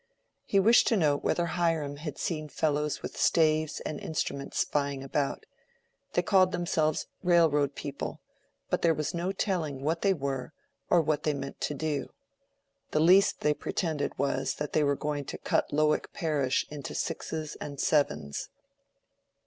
He wished to know whether Hiram had seen fellows with staves and instruments spying about: they called themselves railroad people, but there was no telling what they were or what they meant to do. The least they pretended was that they were going to cut Lowick Parish into sixes and sevens.